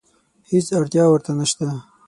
هېڅ اړتیا ورته نشته.